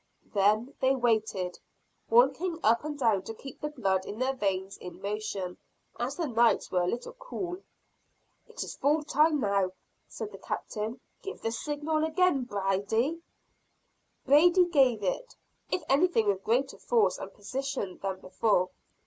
Then they waited, walking up and down to keep the blood in their veins in motion, as the nights were a little cool. "It is full time now," said the Captain, "give the signal again, Brady." Brady gave it if anything with greater force and precision than before.